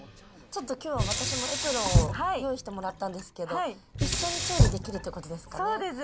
ちょっときょうは私もエプロンを用意してもらったんですけど、一緒に調理できるということですかね？